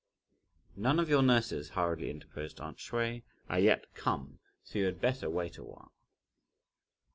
"None of your nurses," hurriedly interposed aunt Hsüeh, "are yet come, so you had better wait a while."